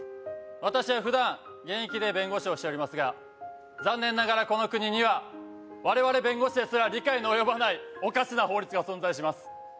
私は普段現役で弁護士をしておりますが残念ながらこの国には我々弁護士ですら理解の及ばないおかしな法律が存在します